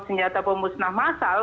senjata pemusnah massal